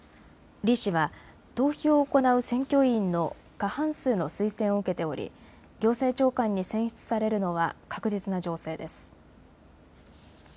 李氏は投票を行う選挙委員の過半数の推薦を受けており行政長官に選出されるのは確実な情勢です。